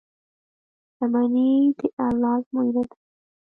• شتمني د الله ازموینه ده.